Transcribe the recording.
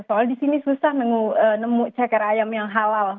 soal di sini susah nemu ceker ayam yang halal